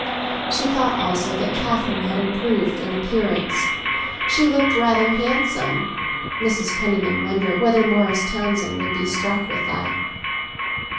She thought also that Catherine had improved in appearance; she looked rather handsome. Mrs. Penniman wondered whether Morris Townsend would be struck with that.